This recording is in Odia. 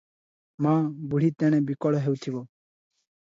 ମାଆ ବୁଢ଼ୀ ତେଣେ ବିକଳ ହେଉଥିବ ।